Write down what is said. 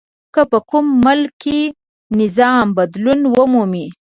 که په کوم ملک کې نظام بدلون ومومي.